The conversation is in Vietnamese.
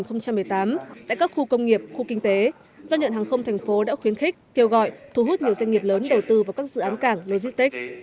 trong năm hai nghìn một mươi bảy hai nghìn một mươi tám tại các khu công nghiệp khu kinh tế giao nhận hàng không thành phố đã khuyến khích kêu gọi thu hút nhiều doanh nghiệp lớn đầu tư vào các dự án cảng logistics